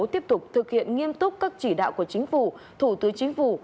tiếp tục thực hiện nghiêm túc các chỉ đạo của chính phủ thủ tướng chính phủ